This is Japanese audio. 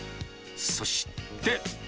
そして。